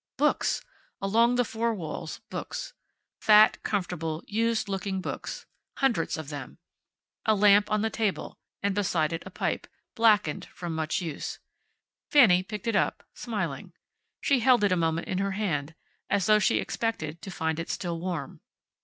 Books! Along the four walls, books. Fat, comfortable, used looking books. Hundreds of them. A lamp on the table, and beside it a pipe, blackened from much use. Fanny picked it up, smiling. She held it a moment in her hand, as though she expected to find it still warm.